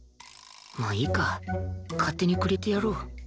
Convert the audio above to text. まあいいか勝手にくれてやろう